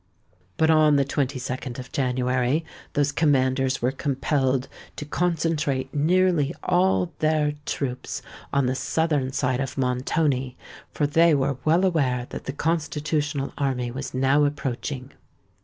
But on the 22d of January those commanders were compelled to concentrate nearly all their troops on the southern side of Montoni: for they were well aware that the Constitutional Army was now approaching.